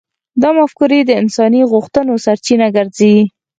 دا مفکورې د انساني غوښتنو سرچینه ګرځي.